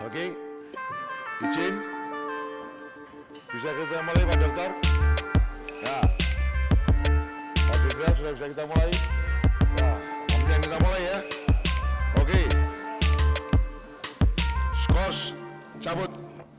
yes oke izin bisa kita mulai pak dokter ya pak sifrel sudah bisa kita mulai nah kita mulai ya oke skos cabut